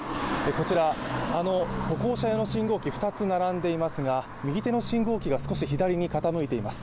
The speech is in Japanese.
こちら、歩行者用の信号機が２つ並んでいますが右手の信号機が少し左に傾いています。